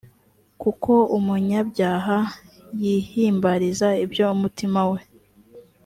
kuko umunyabyaha yihimbariza ibyo umutima we